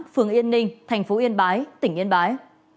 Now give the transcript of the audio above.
phường yên ninh thành phố yên bái tỉnh yên bái